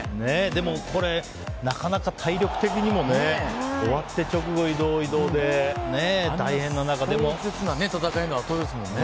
でも、なかなか体力的にも。終わって直後に移動、移動で壮絶な戦いのあとですからね。